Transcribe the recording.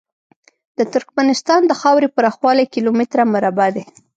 د ترکمنستان د خاورې پراخوالی کیلو متره مربع دی.